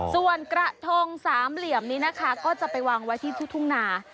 ส่วนกระทงสามเหลี่ยมนี้นะคะก็จะไปวางไว้ที่ทุ่งนา